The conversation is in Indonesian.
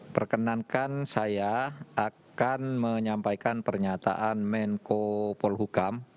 perkenankan saya akan menyampaikan pernyataan menko polhukam